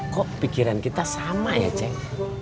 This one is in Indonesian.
kok pikiran kita sama ya ceng